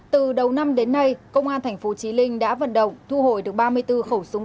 từ đầu năm đến nay công an tp chí linh đã vận động thu hồi được ba mươi bốn khẩu súng